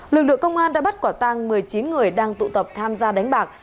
lực lượng công an đã bắt quả tang một mươi chín người đang tụ tập tham gia đánh bạc